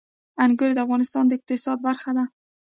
انګور د افغانستان د اقتصاد برخه ده.